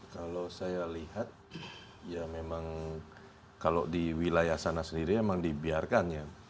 kalau saya lihat ya memang kalau di wilayah sana sendiri memang dibiarkan ya